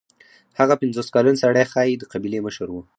هغه پنځوس کلن سړی ښايي د قبیلې مشر و.